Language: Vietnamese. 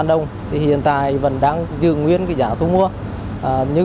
bảy mươi đồng thì hiện tại vẫn đang giữ nguyên giá thu mua nhưng giá thu mua của người chăn nuôi